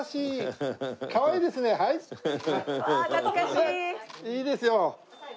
いいですよ。